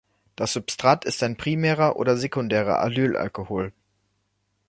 Das Substrat ist ein primärer oder sekundärer Allylalkohol.